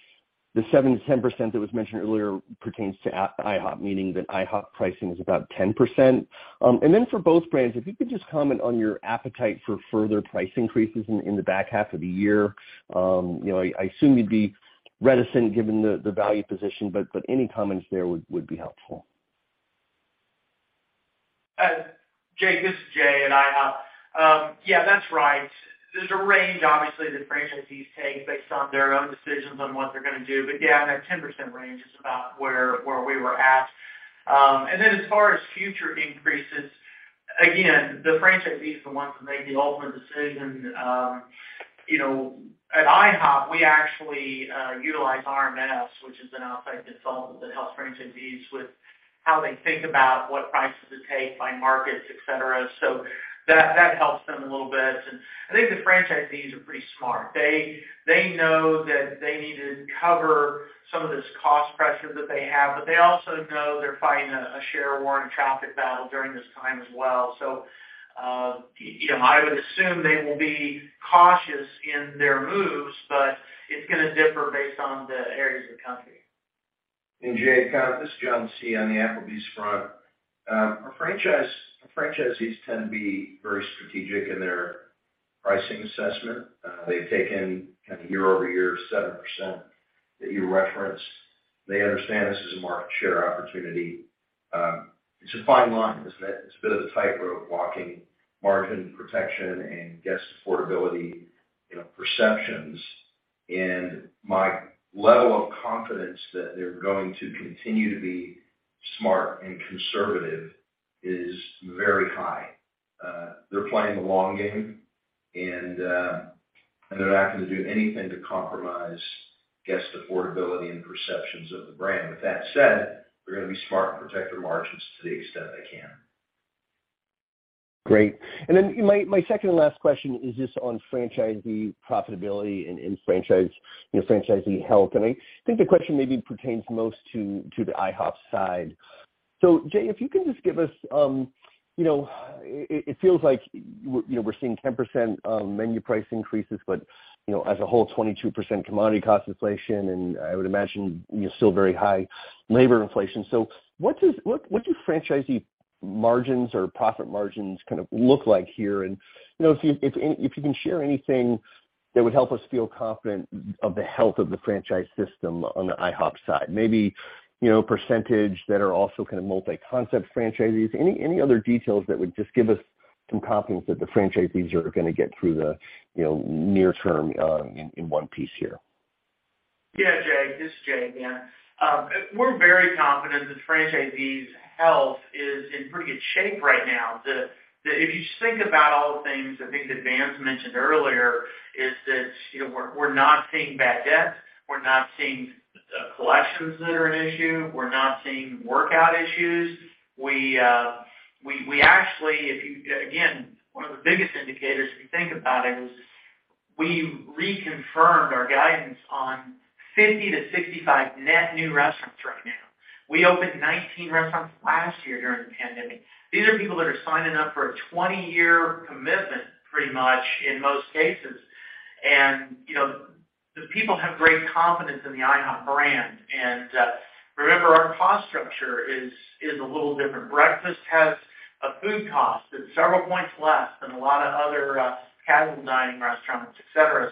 7%-10% that was mentioned earlier pertains to IHOP, meaning that IHOP pricing is about 10%. You know, I assume you'd be reticent given the value position, but any comments there would be helpful. Jake, this is Jay at IHOP. Yeah, that's right. There's a range, obviously, that franchisees take based on their own decisions on what they're gonna do. Yeah, that 10% range is about where we were at. As far as future increases Again, the franchisee is the one that make the ultimate decision. You know, at IHOP, we actually utilize RMS, which is an outside consultant that helps franchisees with how they think about what prices to take by markets, et cetera. That helps them a little bit. I think the franchisees are pretty smart. They know that they need to cover some of this cost pressure that they have, but they also know they're fighting a share war and a traffic battle during this time as well. You know, I would assume they will be cautious in their moves, but it's gonna differ based on the areas of the country. Jay, this is John Cywinski. On the Applebee's front. Our franchisees tend to be very strategic in their pricing assessment. They've taken kind of year-over-year 7% that you referenced. They understand this is a market share opportunity. It's a fine line. It's a bit of a tightrope walking margin protection and guest affordability, you know, perceptions. My level of confidence that they're going to continue to be smart and conservative is very high. They're playing the long game, and they're not going to do anything to compromise guest affordability and perceptions of the brand. With that said, they're gonna be smart and protect their margins to the extent they can. Great. My second to last question is just on franchisee profitability and franchisee health. I think the question maybe pertains most to the IHOP side. Jay, if you can just give us, you know, it feels like, you know, we're seeing 10% menu price increases, but, you know, as a whole, 22% commodity cost inflation, and I would imagine, you know, still very high labor inflation. What do franchisee margins or profit margins kind of look like here? You know, if you can share anything that would help us feel confident of the health of the franchise system on the IHOP side, maybe, you know, percentage that are also kind of multi-concept franchisees. Any other details that would just give us some confidence that the franchisees are gonna get through the, you know, near term in one piece here? Yeah, Jay, this is Jay again. We're very confident that franchisees' health is in pretty good shape right now. If you think about all the things I think that Vance mentioned earlier, is that, you know, we're not seeing bad debt. We're not seeing collections that are an issue. We're not seeing workout issues. We actually, again, one of the biggest indicators, if you think about it, is we reconfirmed our guidance on 50-65 net new restaurants right now. We opened 19 restaurants last year during the pandemic. These are people that are signing up for a 20-year commitment, pretty much in most cases. You know, the people have great confidence in the IHOP brand. Remember our cost structure is a little different. Breakfast has a food cost that's several points less than a lot of other casual dining restaurants, et cetera.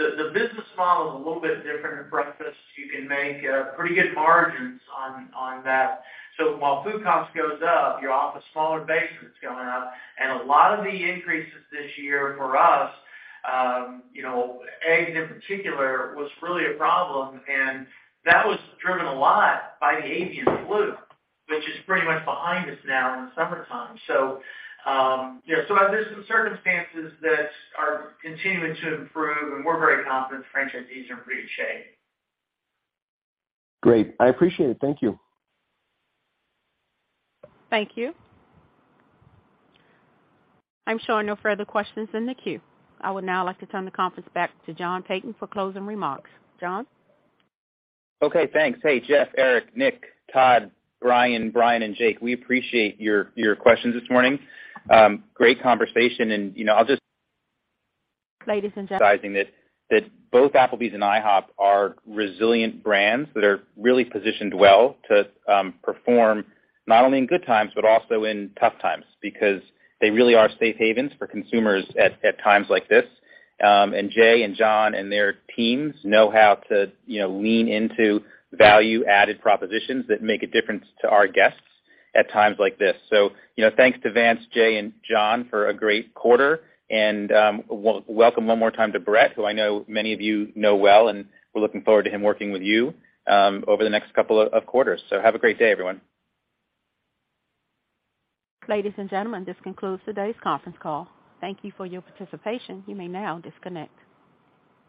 The business model is a little bit different in breakfast. You can make pretty good margins on that. While food cost goes up, you're off a smaller base that's going up. A lot of the increases this year for us, you know, eggs in particular was really a problem, and that was driven a lot by the avian flu, which is pretty much behind us now in the summertime. You know, so there's some circumstances that are continuing to improve, and we're very confident franchisees are in pretty good shape. Great. I appreciate it. Thank you. Thank you. I'm showing no further questions in the queue. I would now like to turn the conference back to John Peyton for closing remarks. John? Okay thanks hey Jeff, Eric, Nick, Todd, Brian, and Jake. We appreciate your questions this morning. Great conversation, and you know, I'll just- Ladies and gentlemen. That both Applebee's and IHOP are resilient brands that are really positioned well to perform not only in good times, but also in tough times, because they really are safe havens for consumers at times like this. Jay and John and their teams know how to, you know, lean into value-added propositions that make a difference to our guests at times like this. You know thanks to Vance, Jay, and John for a great quarter. Welcome one more time to Brett, who I know many of you know well, and we're looking forward to him working with you over the next couple of quarters. Have a great day, everyone. Ladies and gentlemen, this concludes today's conference call. Thank you for your participation. You may now disconnect.